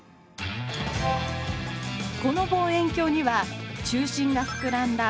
この望遠鏡には中心が膨らんだ凸